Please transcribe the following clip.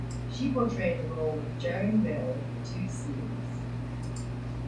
She portrayed the role of Joan Bell for two series.